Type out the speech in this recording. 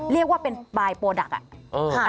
เรียกว่าเป็นปลายโปรดักต์